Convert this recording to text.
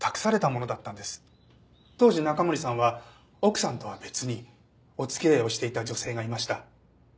当時中森さんは奥さんとは別にお付き合いをしていた女性がいました。